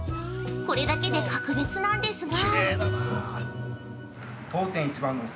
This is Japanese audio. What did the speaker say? これだけで格別なんですが◆